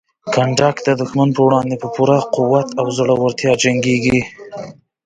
کنډک د دښمن په وړاندې په پوره قوت او زړورتیا جنګیږي.